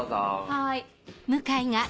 はい。